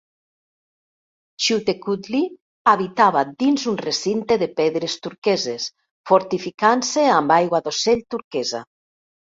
Xiuhtecuhtli habitava dins un recinte de pedres turqueses, fortificant-se amb aigua d'ocell turquesa.